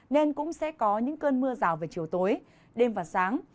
nên cũng sẽ có những cơn mưa rào về chiều tối đêm và sáng